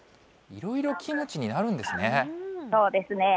いろいろキムチになるんですね。